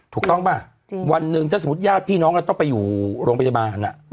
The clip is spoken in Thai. ถูกต้องป่ะวันหนึ่งถ้าสมมุติญาติพี่น้องเราต้องไปอยู่โรงพยาบาล